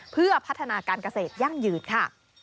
เพื่อพัฒนาการเกษตรยั่งยืนค่ะ